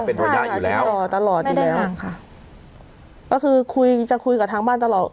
ใช่ค่ะตลอดตลอดอยู่แล้วไม่ได้บ้างค่ะก็คือคุยจะคุยกับทางบ้านตลอด